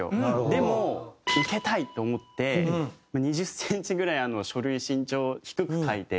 でも受けたいと思って２０センチぐらい書類身長低く書いて。